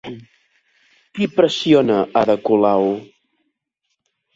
Qui pressiona a Ada Colau?